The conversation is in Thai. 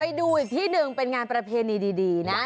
ไปดูอีกที่หนึ่งเป็นงานประเพณีดีนะ